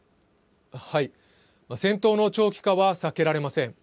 戦闘の長期化は避けられません。